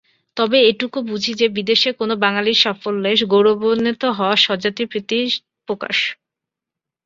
তবে এটুকু বুঝি যে বিদেশে কোনো বাঙালির সাফল্যে গৌরবান্বিত হওয়া স্বজাতিপ্রীতির প্রকাশ।